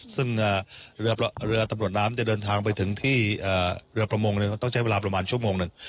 ซึ่งเรือตำรวจน้ำจะเดินทางไปถึงที่เรือประมงต้องใช้เวลาประมาณชั่วโมงหนึ่ง